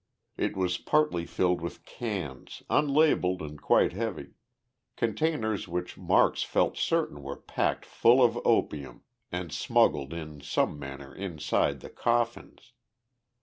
It was partly filled with cans, unlabeled and quite heavy containers which Marks felt certain were packed full of opium and smuggled in some manner inside the coffins.